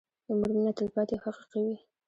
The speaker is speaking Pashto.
د مور مينه تلپاتې او حقيقي وي.